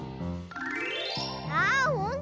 あほんとだ。